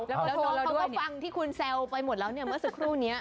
แล้วน้องเขาก็ฟังที่คุณแซวไปหมดแล้วเนี่ยเมื่อสักครู่นี้